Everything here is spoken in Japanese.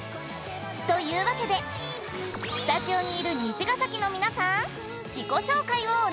というわけでスタジオにいる虹ヶ咲の皆さん！